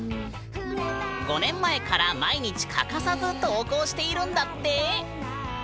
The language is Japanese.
５年前から毎日欠かさず投稿しているんだって。